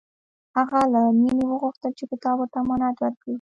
هغه له مینې وغوښتل چې کتاب ورته امانت ورکړي